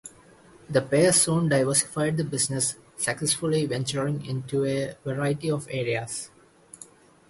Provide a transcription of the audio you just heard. The pair soon diversified the business, successfully venturing into a variety of areas.